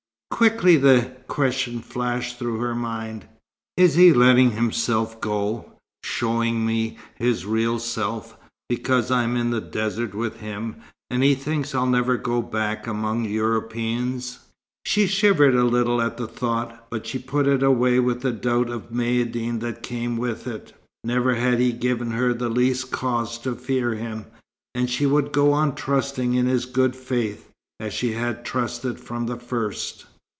Quickly the question flashed through her mind "Is he letting himself go, showing me his real self, because I'm in the desert with him, and he thinks I'll never go back among Europeans?" She shivered a little at the thought, but she put it away with the doubt of Maïeddine that came with it. Never had he given her the least cause to fear him, and she would go on trusting in his good faith, as she had trusted from the first.